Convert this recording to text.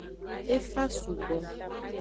E fa sugbo.